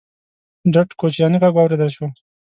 ډډ کوچيانی غږ واورېدل شو: